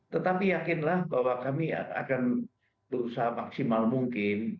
tetapi yakinlah bahwa kami akan berusaha maksimal mungkin